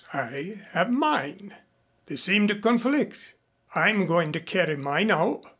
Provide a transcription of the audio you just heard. I have mine. They seem to conflict. I'm going to carry mine out.